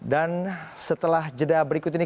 dan setelah jeda berikut ini